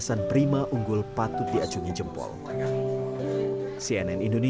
sebuah niat sukar kehendak